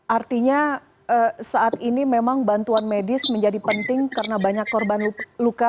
artinya saat ini memang bantuan medis menjadi penting karena banyak korban luka